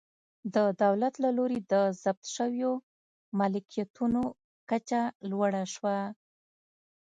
د دولت له لوري د ضبط شویو ملکیتونو کچه لوړه شوه.